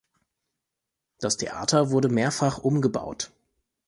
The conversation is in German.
Das Theater wurde mehrfach umgebaut.